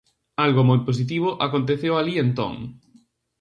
Algo moi positivo aconteceu alí entón.